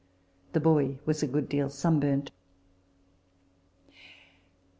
The boy was a good deal sunburnt.